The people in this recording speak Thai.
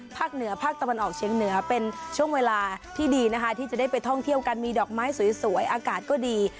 เหนือภาคตะวันออกเชียงเหนือเป็นช่วงเวลาที่ดีนะคะที่จะได้ไปท่องเที่ยวกันมีดอกไม้สวยอากาศก็ดี